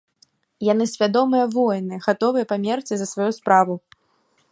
Яны свядомыя воіны, гатовыя памерці за сваю справу.